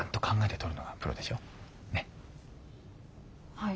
はい。